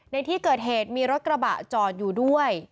ในที่เกิดเหตุมีรถกระบะจอดอยู่ด้วย